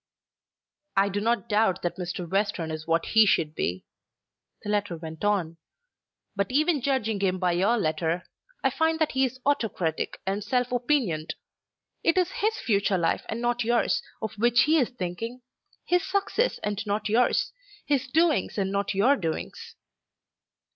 "I do not doubt that Mr. Western is what he should be," the letter went on, "but even judging him by your letter, I find that he is autocratic and self opinioned. It is his future life and not yours of which he is thinking, his success and not yours, his doings and not your doings."